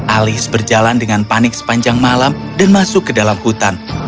alis berjalan dengan panik sepanjang malam dan masuk ke dalam hutan